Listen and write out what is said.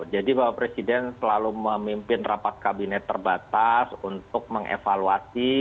jadi bapak presiden selalu memimpin rapat kabinet terbatas untuk mengevaluasi